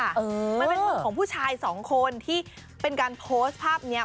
มันเป็นมุมของผู้ชายสองคนที่เป็นการโพสต์ภาพนี้